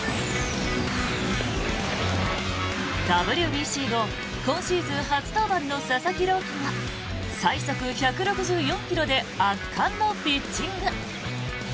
ＷＢＣ後今シーズン初登板の佐々木朗希が最速１６４ｋｍで圧巻のピッチング。